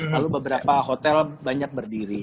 lalu beberapa hotel banyak berdiri